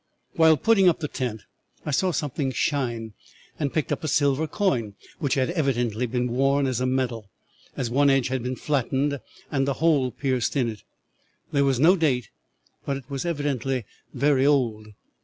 While putting up the tent I saw something shine, and picked up a silver coin which had evidently been worn as a medal, as one edge had been flattened and a hole pierced in it. There was no date, but it was evidently very old.